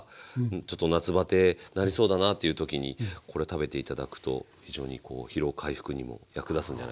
ちょっと夏バテになりそうだな」っていう時にこれ食べて頂くと非常にこう疲労回復にも役立つんじゃないかなと。